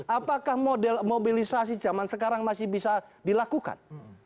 apakah model mobilisasi zaman sekarang masih bisa dilakukan